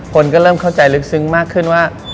คนก็เริ่มเข้าใจลึกซึ้งมากขึ้นว่า